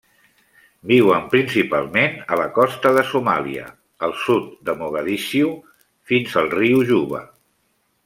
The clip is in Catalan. Viuen principalment la costa de Somàlia al sud de Mogadiscio fins al riu Juba.